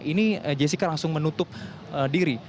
ini jessica langsung menutup diri